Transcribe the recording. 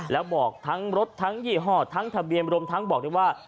แล้วบอกทั้งรถทั้งยี่ห้อทั้งทะเบียนรวมทั้งบอกได้ว่า